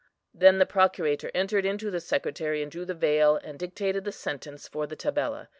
"Then the procurator entered into the Secretary, and drew the veil; and dictated the sentence for the tabella.